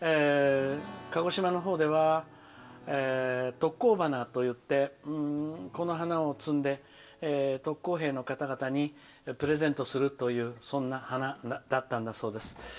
鹿児島の方では特攻花といってこの花を摘んで特攻兵の方々にプレゼントするというそんな花だったんだそうです。